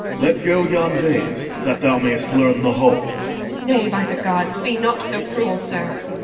OR. Let go yon vase, that thou may'st learn the whole. EL. Nay, by the Gods! be not so cruel, sir! OR.